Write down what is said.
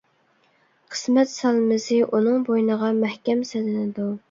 قىسمەت سالمىسى ئۇنىڭ بوينىغا مەھكەم سېلىنىدۇ.